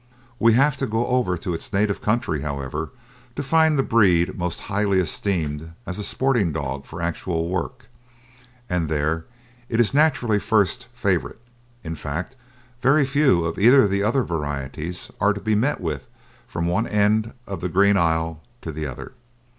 We have to go over to its native country, however, to find the breed most highly esteemed as a sporting dog for actual work, and there it is naturally first favourite; in fact, very few of either of the other varieties are to be met with from one end of the Green Isle to the other.